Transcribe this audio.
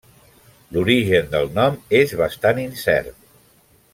L'origen del nom és bastant incert.